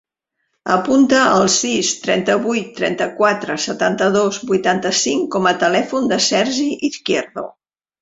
Apunta el sis, trenta-vuit, trenta-quatre, setanta-dos, vuitanta-cinc com a telèfon del Sergi Izquierdo.